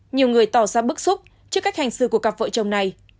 nhiều người tỏ ra bức xúc trước cách hành xử của cặp vợ chồng này